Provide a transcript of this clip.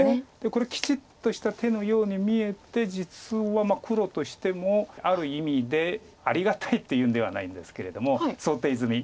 これきちっとした手のように見えて実は黒としてもある意味でありがたいっていうんではないんですけれども想定済み。